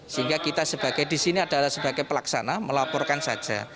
sehingga kita sebagai di sini adalah sebagai pelaksana melaporkan saja